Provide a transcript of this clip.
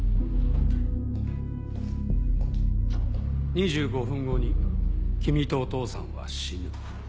２５分後に君とお父さんは死ぬ。